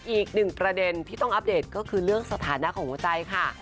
อีกหนึ่งประเด็นที่ต้องอัปเดตก็คือเรื่องสถานะของหัวใจค่ะ